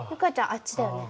あっちだよね？